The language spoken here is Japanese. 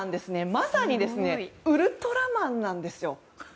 まさにウルトラマンなんですよ。